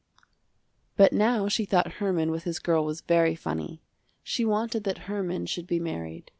But now she thought Herman with his girl was very funny. She wanted that Herman should be married.